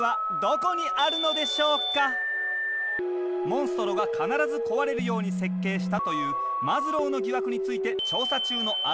「モンストロが必ず壊れるように設計した」というマズローの疑惑について調査中のアルカ号メンバー。